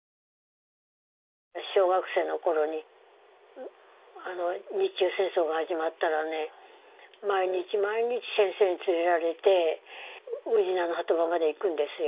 小学生のころに、日中戦争が始まったら毎日毎日先生に連れられて宇品の波止場まで行くんですよ。